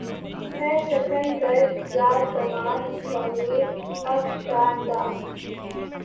ہے سخن گرد ز دَامانِ ضمیر افشاندہ